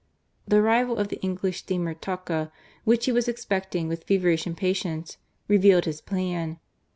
The arrival of the English steamer Talca, which he was expecting with feverish impatience, revealed his plan.